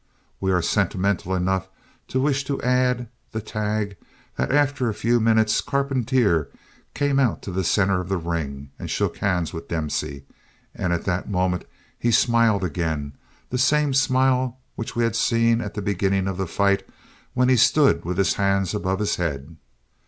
We are sentimental enough to wish to add the tag that after a few minutes Carpentier came out to the center of the ring and shook hands with Dempsey and at that moment he smiled again the same smile which we had seen at the beginning of the fight when he stood with his hands above his head.